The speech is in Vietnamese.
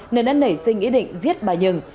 nên nảy sinh ý định giết bà nhừng